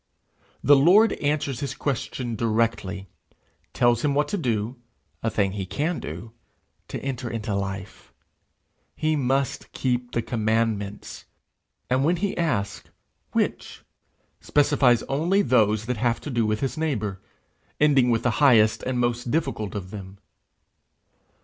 The Lord answers his question directly, tells him what to do a thing he can do to enter into life: he must keep the commandments! and when he asks, 'Which?' specifies only those that have to do with his neighbour, ending with the highest and most difficult of them.